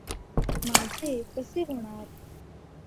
माझे कसे होणार?